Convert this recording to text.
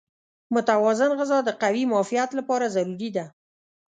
متوازن غذا د قوي معافیت لپاره ضروري ده.